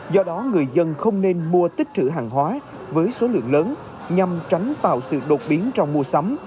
do đó người dân không nên mua tích trữ hàng hóa với số lượng lớn nhằm tránh tạo sự đột biến trong mua sắm